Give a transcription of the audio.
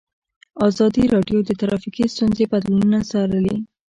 ازادي راډیو د ټرافیکي ستونزې بدلونونه څارلي.